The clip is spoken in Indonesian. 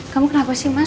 kamu kenapa sih mas